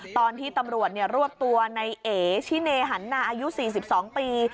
ตอนที่ตำรวจรวบตัวในเอชิเนหันนาอายุ๔๒ปี